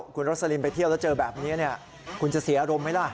คุณรสลินไปเที่ยวแล้วเจอแบบนี้คุณจะเสียอารมณ์ไหมล่ะ